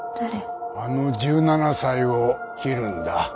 あの１７才を切るんだ。